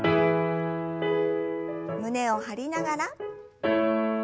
胸を張りながら。